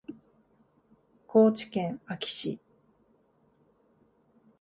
高知県安芸市